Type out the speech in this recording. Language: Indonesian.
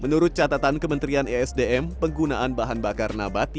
menurut catatan kementerian esdm penggunaan bahan bakar nabati atau bbn pada sektor amni